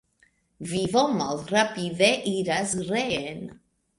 Vivo malrapide iras reen.